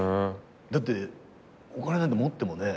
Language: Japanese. だってお金なんて持ってもね